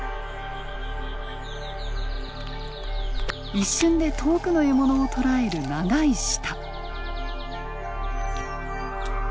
一瞬で遠くの獲物を捕らえる長い舌。